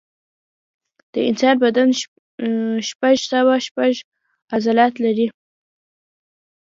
د انسان بدن شپږ سوه شپږ عضلات لري.